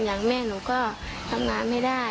อย่างแม่หนูก็ทำงานไม่ได้